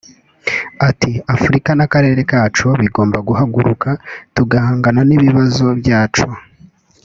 Ati“Afurika n’akarere kacu bigomba guhaguruka tugahangana n’ibibazo byacu